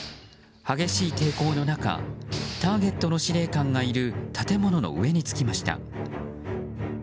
激しい抵抗の中ターゲットの司令官がいる建物の上に着きました。